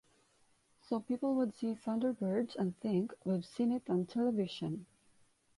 So people would see "Thunderbirds" and think, 'We've seen it on television.